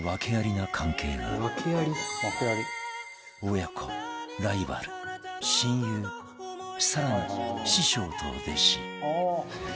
親子ライバル親友更に師匠と弟子